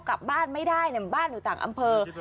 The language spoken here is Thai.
กลับบ้านไม่ได้บ้านอยู่ต่างอำเภอ